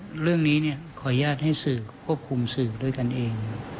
เรื่องนี้ขออนุญาตให้สื่อควบคุมสื่อด้วยกันเอง